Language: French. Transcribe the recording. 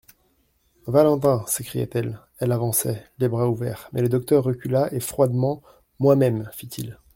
Valentin !… s'écria-t-elle ! Elle avançait, les bras ouverts ; mais le docteur recula et, froidement : Moi-même, fit-il.